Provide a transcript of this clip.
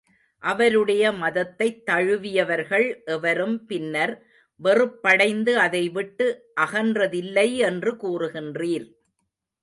அவருடைய மதத்தைத் தழுவியவர்கள் எவரும் பின்னர், வெறுப்படைந்து அதை விட்டு அகன்றதில்லை என்று கூறுகின்றீர்.